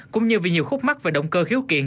cũng như vì nhiều khúc mắt và động cơ hiếu kiện